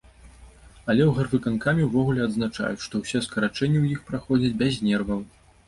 Але ў гарвыканкаме ўвогуле адзначаюць, што ўсе скарачэнні ў іх праходзяць без нерваў.